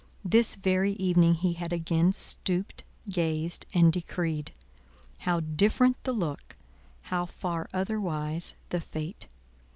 This very evening he had again stooped, gazed, and decreed. How different the look—how far otherwise the fate!